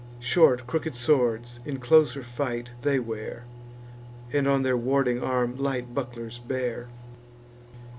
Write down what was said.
Short crooked swords in closer fight they wear; And on their warding arm light bucklers bear.